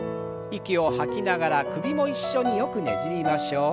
息を吐きながら首も一緒によくねじりましょう。